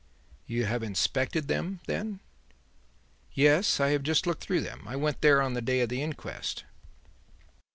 "You have inspected them, then?" "Yes; I have just looked through them. I went there on the day of the inquest."